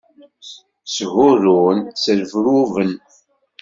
Shurun, srebruben.